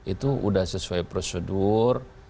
itu udah sesuai prosedur